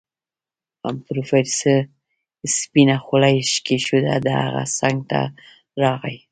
پروفيسر سپينه خولۍ کېښوده د هغه څنګ ته راغی.